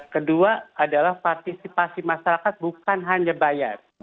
kedua adalah partisipasi masyarakat bukan hanya bayar